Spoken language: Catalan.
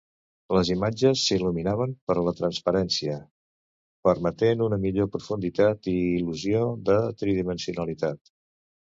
Les imatges s'il·luminaven per a la transparència, permetent una millor profunditat i il·lusió de tridimensionalitat.